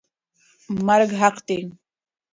مرګ حق دی.